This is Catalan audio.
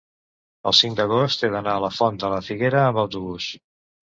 El cinc d'agost he d'anar a la Font de la Figuera amb autobús.